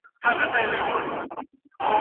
اولو ښايي د ځانګړو رنګونو توپیر کې مرسته وکړي.